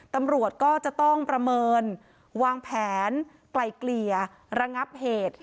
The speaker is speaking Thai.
ตำรวจก็จะต้องประเมินวางแผนไกลเกลี่ยระงับเหตุ